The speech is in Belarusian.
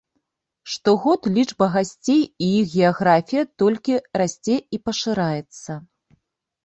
Штогод лічба гасцей і іх геаграфія толькі расце і пашыраецца.